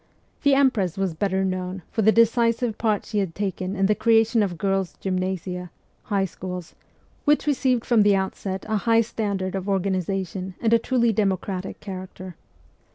The empress was better known for the decisive part she had taken in the creation of girls' gymnasia (high schools), which re ceived from the outset a high standard of organization and a truly democratic character.